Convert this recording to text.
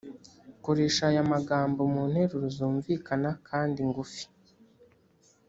koresha aya magambo mu nteruro zumvikana kandi ngufi